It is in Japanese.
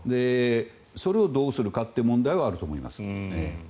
それをどうするかという問題はあると思います。